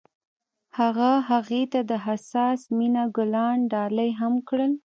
هغه هغې ته د حساس مینه ګلان ډالۍ هم کړل.